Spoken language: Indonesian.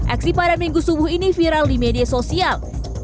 aksi pada minggu subuh ini viral di media sosial